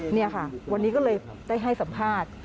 นี่ค่ะวันนี้ก็เลยได้ให้สัมภาษณ์